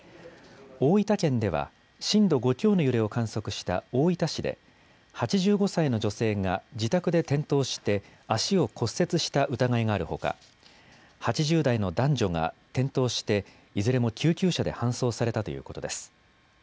大分県では、震度５強の揺れを観測した大分市で、８５歳の女性が自宅で転倒して、足を骨折した疑いがあるほか、８０代の男女が転倒していずれも救急車で搬送されたということです。